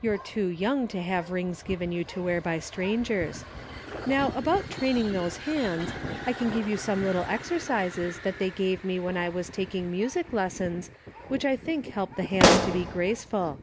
You're too young to have rings given you to wear by strangers, ^^'ow about training those hands, I can give you some little exercises that tliey gave me when I was taking music lessons, which I think help the hands to be graceful.